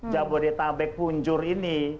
jabodetabek punjur ini